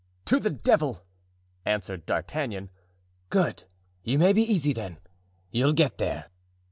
"To the devil!" answered D'Artagnan. "Good! you may be easy, then—you'll get there."